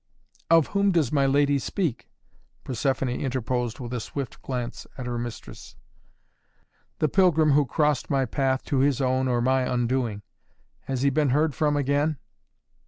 "Of whom does my lady speak?" Persephoné interposed with a swift glance at her mistress. "The pilgrim who crossed my path to his own or my undoing. Has he been heard from again?"